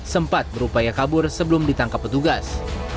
sempat berupaya kabur sebelum ditangkap petugas